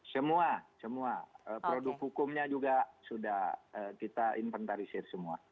semua semua produk hukumnya juga sudah kita inventarisir semua